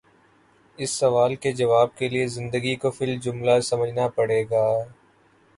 اس سوال کے جواب کے لیے زندگی کو فی الجملہ سمجھنا پڑے گا۔